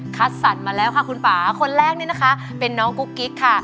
คัดสรรมาแล้วค่ะคุณป่าคนแรกนี่นะคะเป็นน้องกุ๊กกิ๊กค่ะ